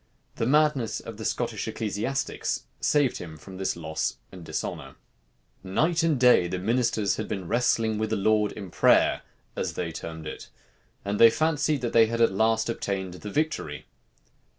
The madness of the Scottish ecclesiastics saved him from this loss and dishonor. Night and day the ministers had been wrestling with the Lord in prayer, as they termed it; and they fancied that they had at last obtained the victory.